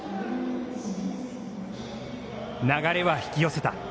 流れは引き寄せた。